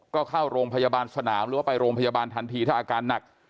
ก็เข้าโรงพยาบาลสนามหรือว่าไปโรงพยาบาลทันทีถ้าอาการหนัก